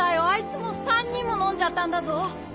あいつもう３人ものんじゃったんだぞ。